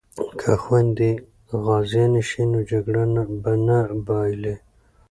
که خویندې غازیانې شي نو جګړه به نه بایلي.